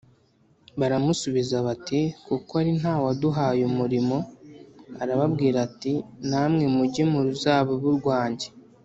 Baramusubiza bati ‘Kuko ari nta waduhaye umurimo.’ Arababwira ati ‘Namwe mujye mu ruzabibu rwanjye.’